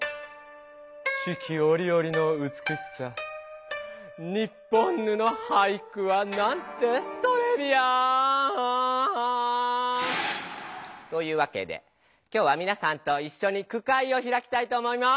四季おりおりのうつくしさニッポンヌの俳句はなんてトレビアーン！というわけで今日はみなさんといっしょに句会をひらきたいと思います。